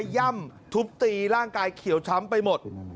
ย่ำทุบตีร่างกายเขียวช้ำไปหมด